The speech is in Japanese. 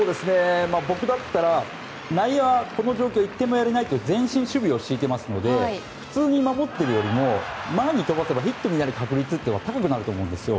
僕だったら内野は、この状況１点もやれないということで前進守備を敷いてますので普通に守っているよりも前に飛ばせばヒットになる確率は高くなると思うんですよ。